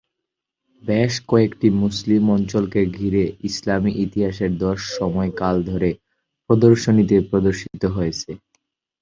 বেশ কয়েকটি মুসলিম অঞ্চলকে ঘিরে ইসলামী ইতিহাসের দশ সময়কাল ধরে প্রদর্শনীতে প্রদর্শিত হচ্ছে।